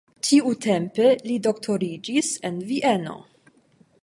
Tiutempe li doktoriĝis en Vieno.